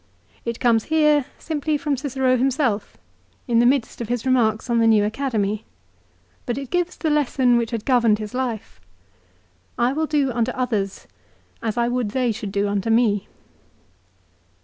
It comes here simply from Cicero himself in the midst of his remarks on the new Academy, but it gives the lesson which had governed his life. "I will do unto others as I would they should do unto me."